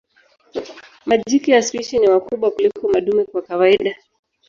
Majike ya spishi ni wakubwa kuliko madume kwa kawaida.